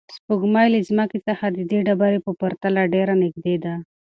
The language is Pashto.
سپوږمۍ له ځمکې څخه د دې ډبرې په پرتله ډېره نږدې ده.